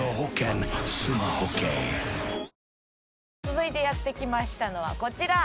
続いてやって来ましたのはこちら。